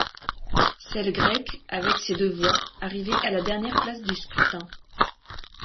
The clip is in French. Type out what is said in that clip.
Celle grecque, avec ses deux voix, arrivait à la dernière place du scrutin.